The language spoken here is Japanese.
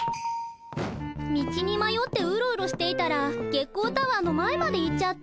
道にまよってウロウロしていたら月光タワーの前まで行っちゃった。